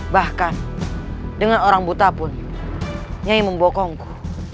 bahkan dengan orang buta pun nyay membokongku